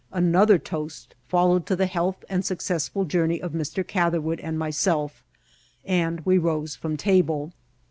Another toast followed to the health and successful journey of Mr. Catherwood and myself, and we rose from table.